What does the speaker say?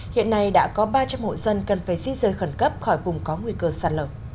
hiện nay đã có ba trăm linh hội dân cần phải di dời khẩn cấp khỏi vùng có nguy cơ sạt lờ